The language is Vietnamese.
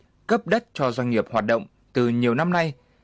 quy hoạch cấp đất cho doanh nghiệp hoạt động từ nhiều năm nay